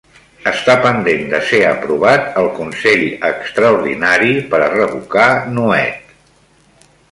Està pendent de ser aprovat el consell extraordinari per a revocar Nuet